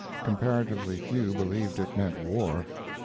Comparatively few believed it meant war.